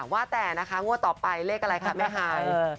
ว่าแต่นะคะงวดต่อไปเลขอะไรคะแม่ฮาย